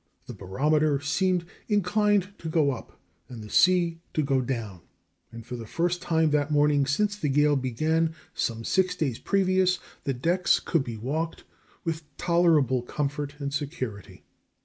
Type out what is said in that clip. The barometer seemed inclined to go up and the sea to go down; and for the first time that morning since the gale began, some six days previous, the decks could be walked with tolerable comfort and security.